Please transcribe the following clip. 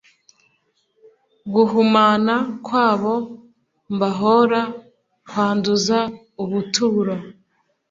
guhumana kwabo mbahora kwanduza ubuturo